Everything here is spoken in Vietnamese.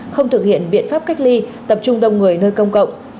không thực hiện biện pháp cách ly tập trung đông người nơi công cộng